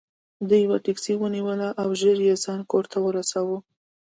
ده یوه ټکسي ونیوله او ژر یې ځان کور ته ورساوه.